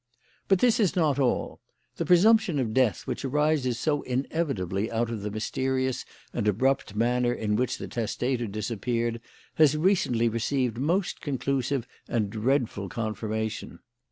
"But this is not all. The presumption of death which arises so inevitably out of the mysterious and abrupt manner in which the testator disappeared has recently received most conclusive and dreadful confirmation.